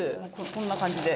こんな感じで。